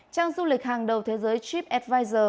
trang du lịch hàng đầu thế giới tripadvisor